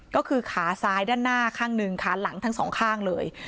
ก็คือขาซ้ายด้านหน้าข้างหนึ่งขาหลังทั้งสองข้างเลย